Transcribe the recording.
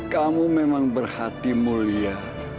kamu memang berhati mulia